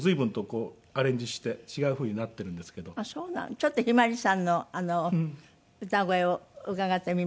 ちょっと向日葵さんの歌声を伺ってみましょう。